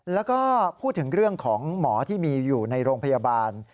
แล้วก็พูดถึงเรื่องของหมอที่มีอยู่ในโรงพยาบาล